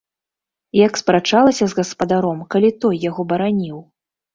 Як спрачалася з гаспадаром, калі той яго бараніў!